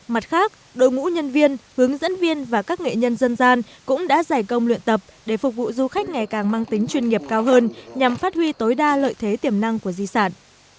mặt khác đội ngũ nhân viên hướng dẫn viên và các nghệ nhân dân gian cũng đã giải công luyện tập để phục vụ du khách ngày càng mang tính chuyên nghiệp cao hơn nhằm phát huy tối đa lợi thế tiềm năng của di sản